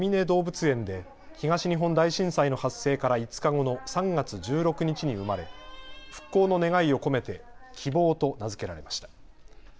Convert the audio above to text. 動物園で東日本大震災の発生から５日後の３月１６日に生まれ復興の願いを込めてきぼうと名付けられました。